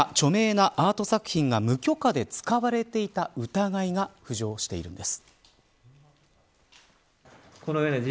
今、著名なアート作品が無許可で使われていた疑いが浮上しているんです。